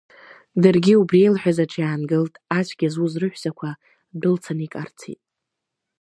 Даргьы убри илҳәаз аҿы иаангылт ацәгьа зуз рыҳәсақәа дәылцаны икарцеит.